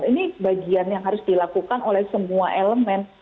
ini bagian yang harus dilakukan oleh semua elemen